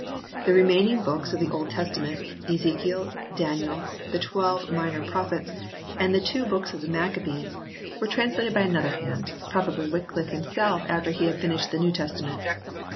The remaining books of the Old Testament, Ezekiel, Daniel, the twelve Minor Prophets and the two books of the Maccabees were 22 HISTORY OF THE ENGLISH BIBLE [CH. translated by another hand, probably by Wycliffe himself after he had finished the New Testament.